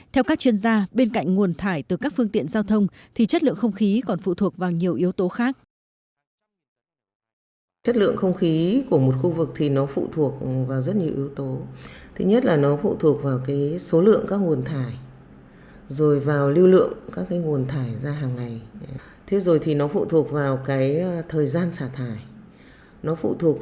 theo các chuyên gia bên cạnh nguồn thải từ các phương tiện giao thông thì chất lượng không khí còn phụ thuộc vào nhiều yếu tố khác